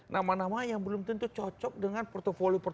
nama nama yang belum tentu cocok dengan protokolusnya ini